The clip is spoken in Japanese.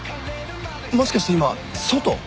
もしかして今外？